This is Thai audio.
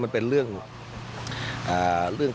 มันเป็นเรื่อง